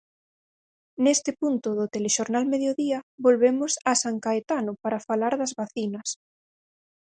Neste punto do Telexornal Mediodía volvemos a San Caetano para falar das vacinas.